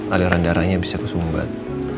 aliran darahnya bisa kesumbat